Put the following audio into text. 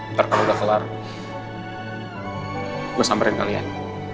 ntar kalau udah kelar gue samperin kalian